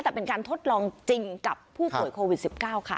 แต่เป็นการทดลองจริงกับผู้ป่วยโควิด๑๙ค่ะ